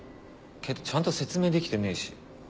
けどちゃんと説明できてねえし。